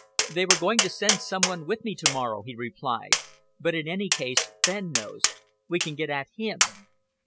"They were going to send some one with me tomorrow," he replied, "but in any case Fenn knows. We can get at him."